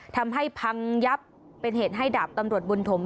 ทำให้พังยับเป็นเหตุให้ดาบตำรวจบุญถม